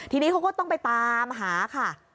ทีนี้เขาก็ต้องไปตามหาค่ะ